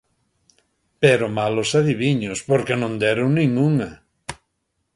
Pero malos adiviños porque non deron nin unha.